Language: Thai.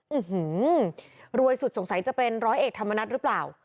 ื้อหือรวยสุดสงสัยจะเป็นร้อยเอกธรรมนัฐหรือเปล่า